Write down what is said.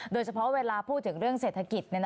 เวลาพูดถึงเรื่องเศรษฐกิจ